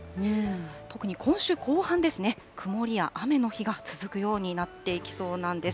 特に今週後半ですね、曇りや雨の日が続くようになっていきそうなんです。